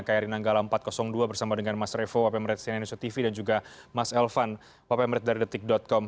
keari nanggala empat ratus dua bersama dengan mas reva wapenmeret sina indonesia tv dan juga mas elvan wapenmeret dari detik com